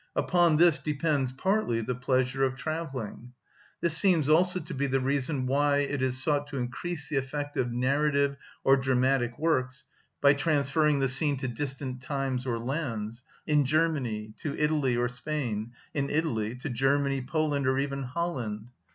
Upon this depends partly the pleasure of travelling. This seems also to be the reason why it is sought to increase the effect of narrative or dramatic works by transferring the scene to distant times or lands: in Germany, to Italy or Spain; in Italy, to Germany, Poland, or even Holland.